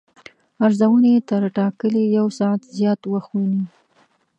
ارزونې تر ټاکلي یو ساعت زیات وخت ونیو.